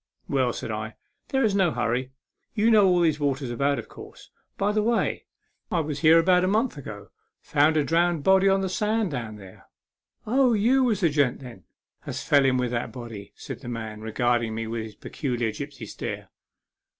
" Well," said I, " there is no hurry. You know all about these waters, of course ? By the way, when I was here a month ago I 68 A MEMORABLE SWIM. found a drowned body on the sands down there." " Oh, was you the gent, then, as fell in with that body ?" said the man, regarding me with his peculiar gipsy stare.